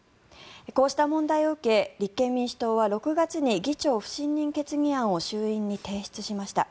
こうした問題を受け立憲民主党は６月に議長不信任決議案を衆院に提出しました。